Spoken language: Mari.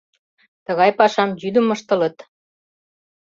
— Тыгай пашам йӱдым ыштылыт.